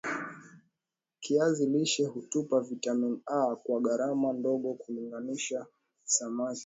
kiazi lishe hutupa vitamini A kwa gharama ndogo kulinganisha samak